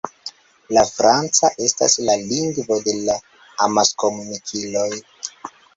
La franca estas la lingvo de la amaskomunikiloj.